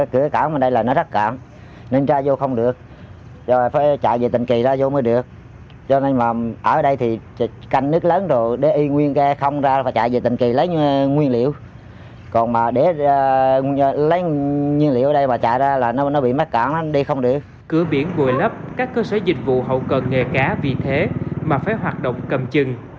cửa biển bồi lấp các cơ sở dịch vụ hậu cần nghề cá vì thế mà phải hoạt động cầm chừng